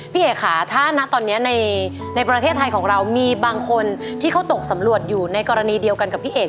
พี่เอกค่ะถ้าณตอนนี้ในประเทศไทยของเรามีบางคนที่เขาตกสำรวจอยู่ในกรณีเดียวกันกับพี่เอก